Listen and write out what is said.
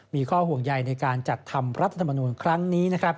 มีข้อห่วงใหญ่ในการจัดทำรัฐธรรมนูญครั้งนี้